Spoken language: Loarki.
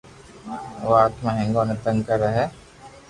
او آتما ھينگون ني تنگ ڪري ھي